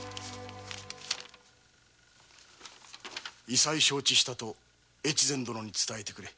委細承知したと越前殿に伝えてくれ。